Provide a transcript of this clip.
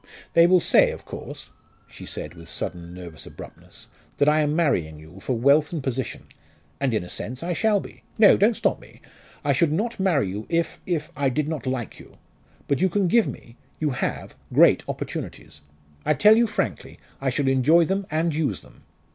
"They will say, of course," she said with sudden nervous abruptness, "that I am marrying you for wealth and position. And in a sense I shall be. No! don't stop me! I should not marry you if if I did not like you. But you can give me you have great opportunities. I tell you frankly, I shall enjoy them and use them.